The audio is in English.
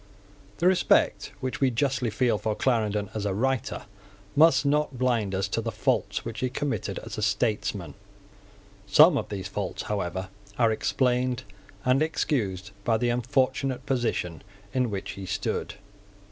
The respect which we justly feel for Clarendon as a writer must not blind us to the faults which he committed as a statesman. Some of those faults, however, are explained and excused by the unfortunate position in which he stood.